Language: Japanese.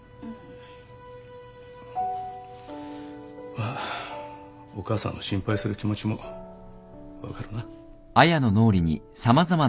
まあお母さんの心配する気持ちも分かるな。